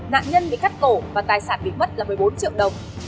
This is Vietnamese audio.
nạn nhân bị cắt cổ và tài sản bị mất là một mươi bốn triệu đồng